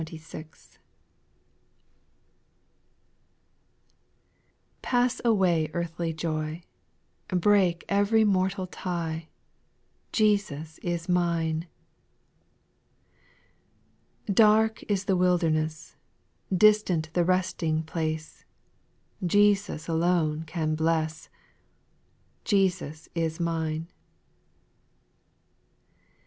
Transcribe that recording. T)ASS away earthly joy, X Break every mortal tie, Jesus is mine 1 Dark is the wilderness ; Distant the resting place ; Jesus alone can bless :— Jesus is mine I 2.